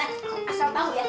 eh asal tahu ya